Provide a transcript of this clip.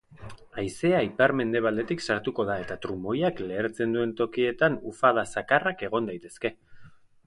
Haizea ipar-mendebaldetik sartuko da eta trumoiak lehertzen duen tokietan ufada zakarrak egon daitezke.